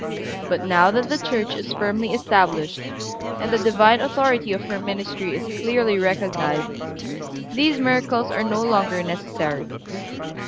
But now that the Church is firmly established, and the Divine authority of her ministry is clearly recognized, these miracles are no longer necessary.